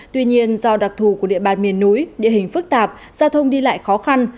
tuy nhiên do đặc thù của địa bàn miền núi địa hình phức tạp giao thông đi lại khó khăn